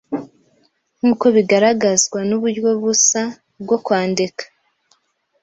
nkuko bigaragazwa nuburyo busa bwo kwandika